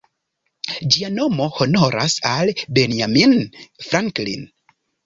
Ĝia nomo honoras al Benjamin Franklin.